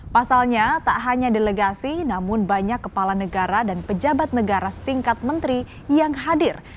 pasalnya tak hanya delegasi namun banyak kepala negara dan pejabat negara setingkat menteri yang hadir